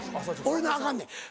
俺なアカンねん。